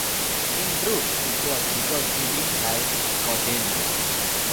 In truth - it was because he didn't have Cordelia.